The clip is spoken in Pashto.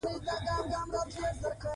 ځنګلونه د افغان ښځو په ژوند کې رول لري.